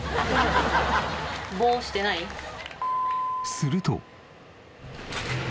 すると。